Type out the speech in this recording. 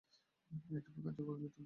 এইরূপে কার্য করিলে তুমি প্রকৃত পথ পাইবে।